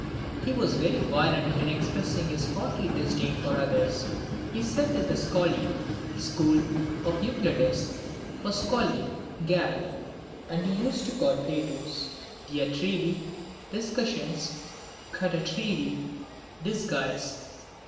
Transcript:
IV. He was very violent in expressing his haughty disdain of others. He said that the o^oXs? (school) of Euclides was ;£oX^ (gall). And he used to call Plato's dia, Tei(3y (discussions) xarargiBJi (disguise).